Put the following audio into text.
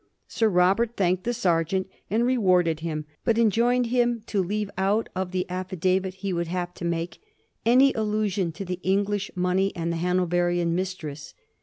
Sir Robert thanked the sergeant and re warded him, but enjoined him to leave out of the affidavit he would have to make any allusion to the English money and the Hanoverian mistress.